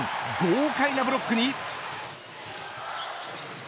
豪快なブロックに。